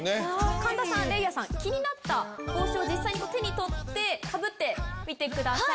神田さんれいあさん気になった帽子を手に取ってかぶってみてください。